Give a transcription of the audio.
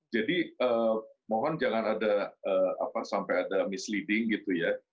jadi mohon jangan ada apa sampai ada misleading gitu ya